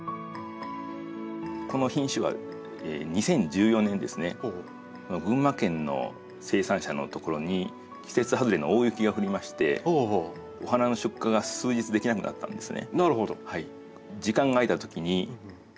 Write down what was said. この品種は２０１４年にですね群馬県の生産者のところに季節外れの大雪が降りましてお花の出荷が数日できなくなったんですね。